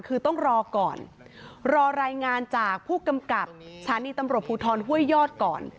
คือต้องรอก่อนรอรายงานจากผู้กำกับสถานีตำรวจภูทรห้วยยอดก่อน